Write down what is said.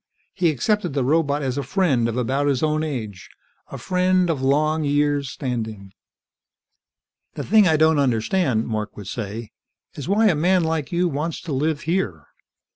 He accepted the robot as a friend, of about his own age. A friend of long years' standing. "The thing I don't understand," Mark would say, "is why a man like you wants to live here.